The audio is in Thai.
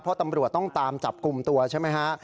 เพราะตำรวจต้องตามจับกลุ่มตัวใช่ไหมฮะ